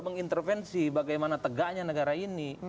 mengintervensi bagaimana tegaknya negara ini